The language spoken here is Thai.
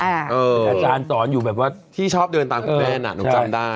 อาจารย์สอนอยู่แบบว่าที่ชอบเดินตามคุณแม่น่ะหนูจำได้